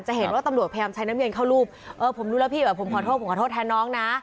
เห็นว่าตำรวจพยายามใช้น้ำเย็นเข้ารูปเออผมรู้แล้วพี่ว่าผมขอโทษผมขอโทษแทนน้องนะ